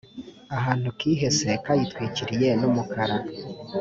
akantu kihese kayitwikiriye numukara